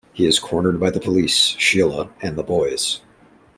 He is cornered by the police, Sheila, and the boys.